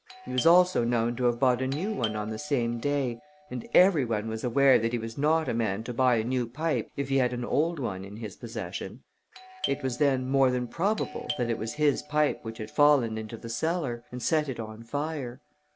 He was also known to have bought a new one on the same day, and every one was aware that he was not a man to buy a new pipe if he had an old one in his possession. It was then more than probable that it was his pipe which had fallen into the cellar, and set it on fire.